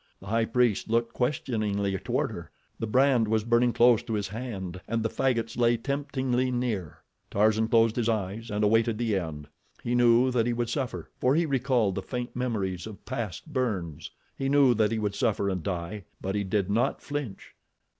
The High Priest looked questioningly toward her—the brand was burning close to his hand and the faggots lay temptingly near. Tarzan closed his eyes and awaited the end. He knew that he would suffer, for he recalled the faint memories of past burns. He knew that he would suffer and die; but he did not flinch.